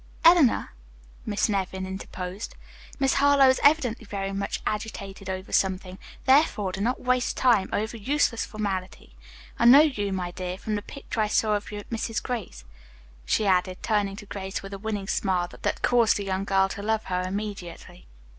"Eleanor," Miss Nevin interposed, "Miss Harlowe is evidently very much agitated over something, therefore do not waste time over useless formality. I knew you, my dear, from the picture I saw of you at Mrs. Gray's," she added, turning to Grace, with a winning smile, that caused the young girl to love her immediately.